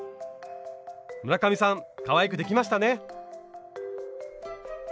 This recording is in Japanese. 村上さんかわいくできましたね！